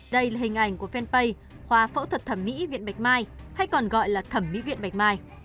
đây là hình ảnh của fanpage khoa phẫu thuật thẩm mỹ viện bạch mai hay còn gọi là thẩm mỹ viện bạch mai